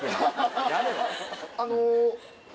あの。